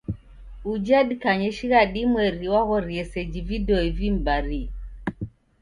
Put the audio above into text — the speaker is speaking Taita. Uja dikanye shighadi imweri waghorie seji vidoi vim'barie.